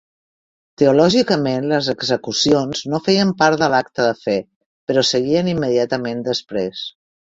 Teològicament, les execucions no feien part de l'acte de fe, però seguien immediatament després.